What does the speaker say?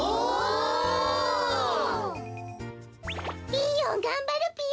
ピーヨンがんばるぴよ！